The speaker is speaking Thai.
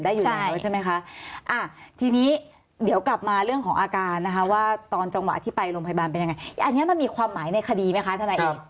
เดี๋ยวกลับมาเรื่องของอาการนะคะว่าตอนจังหวะที่ไปโรงพยาบาลเป็นยังไงอันนี้มันมีความหมายในคดีมั้ยคะท่านไหนเอง